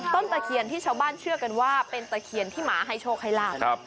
ตะเคียนที่ชาวบ้านเชื่อกันว่าเป็นตะเคียนที่หมาให้โชคให้ลาบ